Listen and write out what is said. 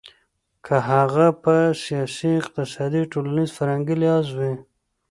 که هغه په سياسي، اقتصادي ،ټولنيز، فرهنګي لحاظ وي .